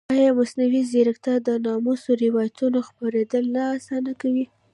ایا مصنوعي ځیرکتیا د ناسمو روایتونو خپرېدل نه اسانه کوي؟